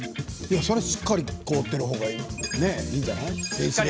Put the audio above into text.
それはしっかり凍っている方がいいんじゃない？